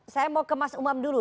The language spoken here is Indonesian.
saya mau ke mas umam dulu